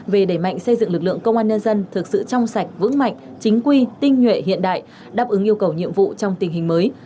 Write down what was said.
về đẩy mạnh xây dựng lực lượng công an nhân dân thực sự trong sạch vững mạnh chính quy tinh nhuệ hiện đại đáp ứng yêu cầu nhiệm vụ trong tình hình mới